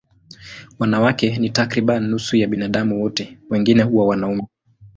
Wanawake ni takriban nusu ya binadamu wote, wengine huwa wanaume.